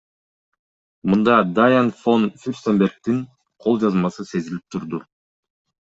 Мында Дайан фон Фюрстенбергдин кол жазмасы сезилип турду.